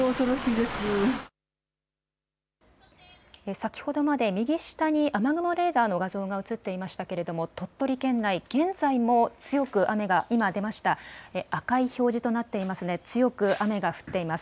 先ほどまで右下に雨雲レーダーの画像が映っていましたけれども、鳥取県内、現在も強く雨が、今、出ました、赤い表示となっていますね、強く雨が降っています。